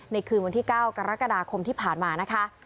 คืนวันที่๙กรกฎาคมที่ผ่านมานะคะ